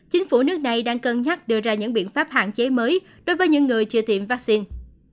chính phủ nước này đang cân nhắc đưa ra những biện pháp hạn chế mới đối với những người chưa tiêm vaccine